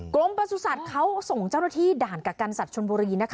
กรมประสุทธิ์เขาส่งเจ้าหน้าที่ด่านกักกันสัตว์ชนบุรีนะคะ